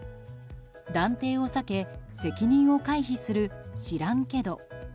断定を避け責任を回避する知らんけど。